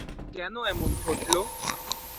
কেন এমন ঘটল?